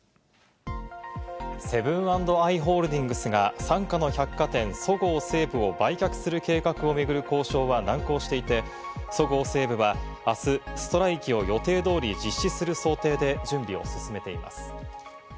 セブン＆アイ・ホールディングスが傘下の百貨店、そごう・西武を売却する計画を巡る交渉は難航していて、そごう・西武はあす、ストライキを予定通り実施する想定で準備を進めています。